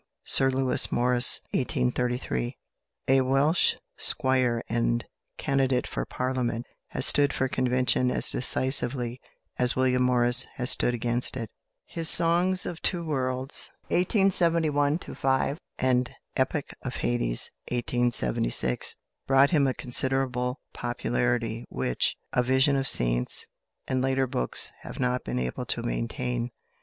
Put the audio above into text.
=Sir Lewis Morris (1833 )=, a Welsh squire, and candidate for Parliament, has stood for convention as decisively as William Morris has stood against it. His "Songs of Two Worlds" (1871 5), and "Epic of Hades" (1876), brought him a considerable popularity, which "A Vision of Saints," and later books have not been able to maintain.